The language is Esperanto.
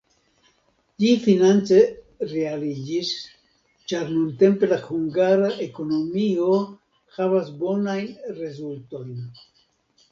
Ĝi finance realiĝis, ĉar nuntempe la hungara ekonomio havas bonajn rezultojn.